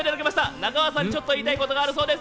中川さんにちょっと言いたいことがあるそうです。